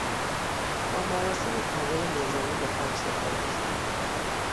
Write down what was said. با مراسم کامل نظامی بخاک سپرده شد.